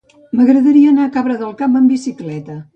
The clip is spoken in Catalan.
M'agradaria anar a Cabra del Camp amb bicicleta.